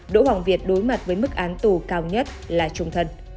đỗ hoàng việt đối mặt với mức án tù cao nhất là trung thân